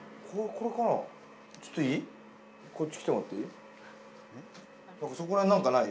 こっち来てもらっていい？